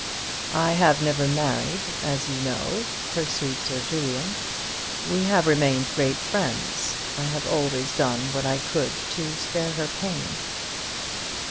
"I have never married, as you know," pursued Sir Julian. "We have remained good friends. I have always done what I could to spare her pain."